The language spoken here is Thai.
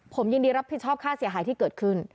ผมยินดีรับผิดชอบค่าเสียหายที่เกิดขึ้น